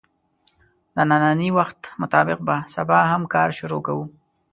د نني وخت مطابق به سبا هم کار شروع کوو